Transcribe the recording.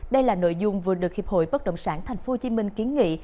đây là nội dung vừa được hiệp hội bất động sản tp hcm kiến nghị